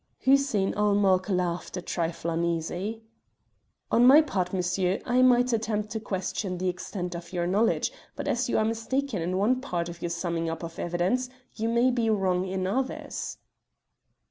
Hussein ul Mulk laughed a trifle uneasily. "On my part, monsieur, I might attempt to question the extent of your knowledge, but as you are mistaken in one part of your summing up of evidence, you may be wrong in others."